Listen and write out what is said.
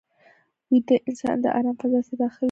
ویده انسان د آرام فضا ته داخل وي